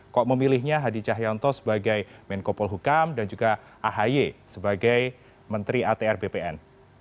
kok memilihnya hadi cahyanto sebagai menkopol hukam dan juga ahi sebagai menteri atr bpn